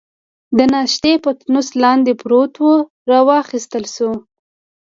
د ناشتې پتنوس لاندې پروت وو، را واخیستل شو.